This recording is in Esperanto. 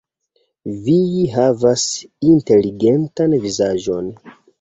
Vi havas inteligentan vizaĝon.